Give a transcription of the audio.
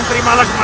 aku tidak percaya